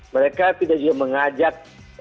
mereka tidak juga mengajak